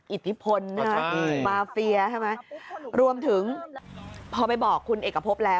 อิทธิพลใช่ไหมมาเฟียใช่ไหมรวมถึงพอไปบอกคุณเอกพบแล้ว